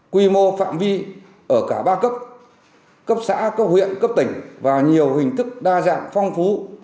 quy mô phạm vi ở cả ba cấp xã cấp huyện cấp tỉnh và nhiều hình thức đa dạng phong phú